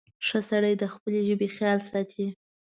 • ښه سړی د خپلې ژبې خیال ساتي.